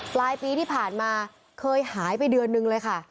ปลายปีที่ผ่านมาเคยหายไปเดือนนึงเลยค่ะ